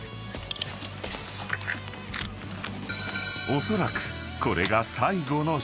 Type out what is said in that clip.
［おそらくこれが］